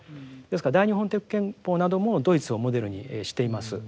ですから大日本帝国憲法などもドイツをモデルにしています。